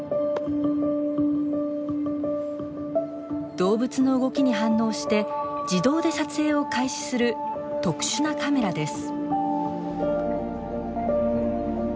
動物の動きに反応して自動で撮影を開始する特殊なカメラです。